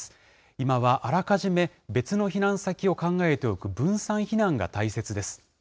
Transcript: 今はあらかじめ、別の避難先を考えておく分散避難が大切です。